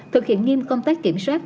thực hiện nghiêm công tác kiểm soát